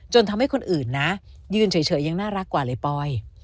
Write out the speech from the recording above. ทำให้คนอื่นนะยืนเฉยยังน่ารักกว่าเลยปอย